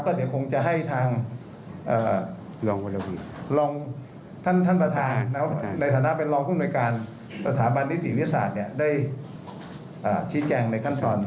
ก็เดี๋ยวคงจะให้ทางท่านประธานในฐานะเป็นรองคุณบริการสถาบันนิติวิทยาศาสตร์เนี่ยได้ชี้แจงในขั้นตอน